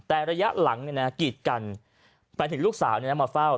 แต่ระยะหลังกีดกันหมายถึงลูกสาวมาเฝ้า